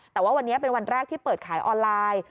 แต่ว่าวันนี้เป็นวันแรกที่เปิดขายออนไลน์